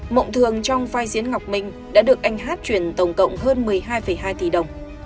mộng thường trong vai diễn ngọc minh đã được anh hát truyền tổng cộng hơn một mươi hai hai tỷ đồng